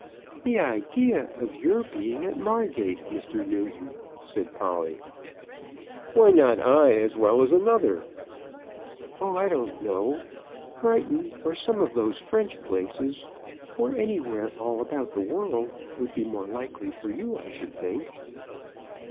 "The idea of your being at Margate, Mr. Newton," said Polly. "Why not I, as well as another?" "Oh, I don't know. Brighton, or some of those French places, or any where all about the world, would be more likely for you, I should think."